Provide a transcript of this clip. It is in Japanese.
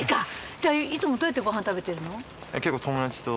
じゃあいつもどうやってご飯食べてるの？